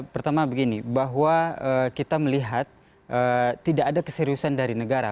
pertama begini bahwa kita melihat tidak ada keseriusan dari negara